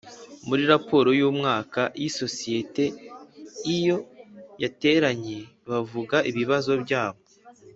muri raporo y umwaka y isosiyete Iyo yateranye bavuga ibibazo byabo